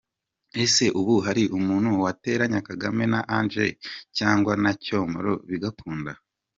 Ese ubu hari umuntu wateranya Kagame na Ange cyangwa na Cyomoro bigakunda?